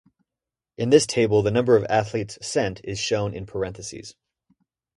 In this table the number of athletes sent is shown in parenthesis.